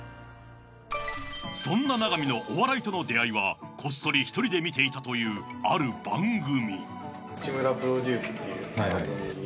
そんな永見のお笑いとの出会いはこっそり１人で見ていたというある番組。